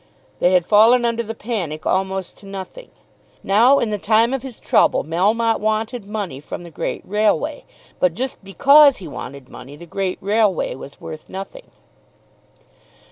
They had fallen under the panic almost to nothing. Now in the time of his trouble Melmotte wanted money from the great railway, but just because he wanted money the great railway was worth nothing.